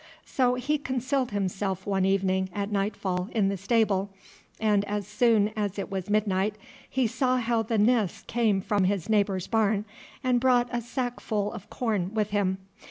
So he concealed himself one evening at nightfall in the stable, and as soon as it was midnight he saw how the Nis came from his neighbour's barn and brought a sack full of corn with him.